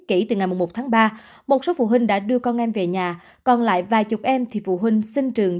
kỹ từ ngày một tháng ba một số phụ huynh đã đưa con em về nhà còn lại vài chục em thì phụ huynh sinh trường